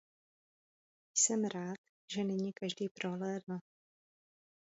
Jsem rád, že nyní každý prohlédl.